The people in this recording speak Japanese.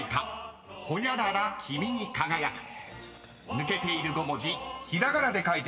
［抜けている５文字ひらがなで書いてください］